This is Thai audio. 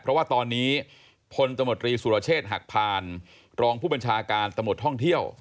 เพราะว่าตอนนี้พลตมตรีสุรเชษฐ์หักพานรองผู้บัญชาการตำรวจท่องเที่ยว